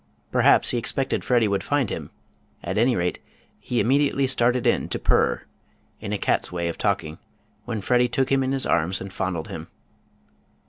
Perhaps he expected Freddie would find him, at any rate he immediately started in to "purr rr," in a cat's way of talking, when Freddie took him in his arms, and fondled him.